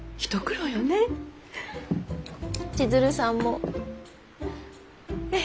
千鶴さんも？ええ。